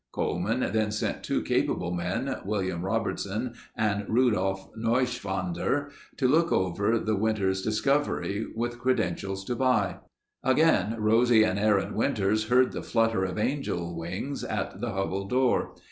Coleman then sent two capable men, William Robertson and Rudolph Neuenschwander to look over the Winters discovery, with credentials to buy. Again Rosie and Aaron Winters heard the flutter of angel wings at the hovel door.